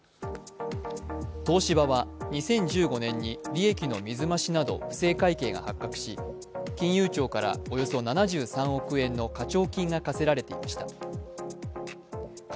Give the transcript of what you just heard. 東芝は２０１５年に利益の水増しなど不正会計が発覚し、金融庁からおよそ７３億円の課徴金を課されていました。